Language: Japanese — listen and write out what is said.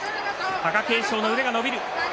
貴景勝の腕が伸びる。